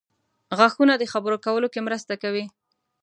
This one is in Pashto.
• غاښونه د خبرو کولو کې مرسته کوي.